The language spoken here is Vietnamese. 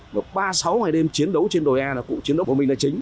và ba sáu ngày đêm chiến đấu trên đồi a là cụ chiến đấu của mình là chính